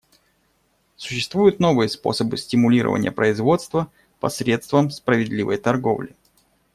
Существуют новые способы стимулирования производства посредством справедливой торговли.